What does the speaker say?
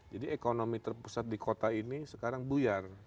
jadi ekonomi terpusat di kota ini sekarang buyar